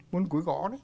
buôn củi gõ đấy